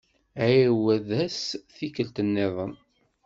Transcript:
Ɛiwed-as tikkelt-nniḍen.